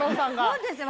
そうですよ！